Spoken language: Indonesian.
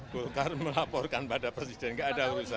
golkar melaporkan pada presiden nggak ada urusan